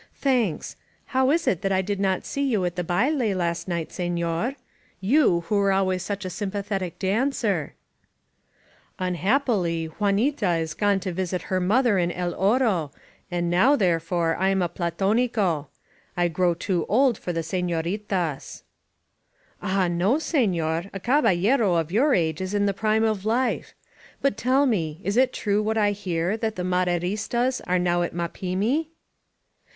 ^^hanks. How is it that I did not see you at the 291 INSURGENT A£EXICO hmU last in^il, scfior? Yon, wiio wa^ ahrays Moxh a sympathetic daacerP* TTnhappily Juanita is goat to Tisit her mother in El Oro, and naWy therefore, I am a pimfowico. I grow too old for the senoritas." ^Ah, noy scnor. A embalUro of jour age is in the prime of life. But tdl me. Is it true what I hear, that the Maderistas are now at Ifaplmi?